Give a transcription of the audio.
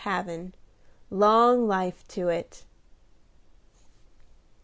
Long life to it!"